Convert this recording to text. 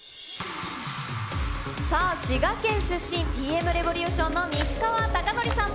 さあ、滋賀県出身、ＴＭＲｅｖｏｌｕｔｉｏｎの西川貴教さん。